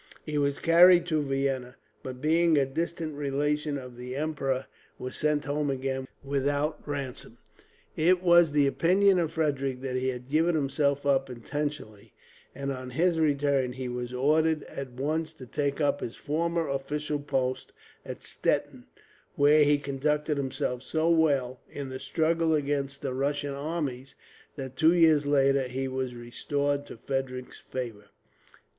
He was carried to Vienna, but being a distant relation of the emperor, was sent home again without ransom. It was the opinion of Frederick that he had given himself up intentionally, and on his return he was ordered at once to take up his former official post at Stettin; where he conducted himself so well, in the struggle against the Russian armies, that two years later he was restored to Frederick's favour.